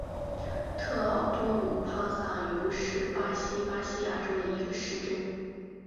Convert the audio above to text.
特奥多鲁桑帕尤是巴西巴伊亚州的一个市镇。